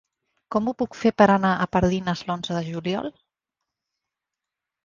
Com ho puc fer per anar a Pardines l'onze de juliol?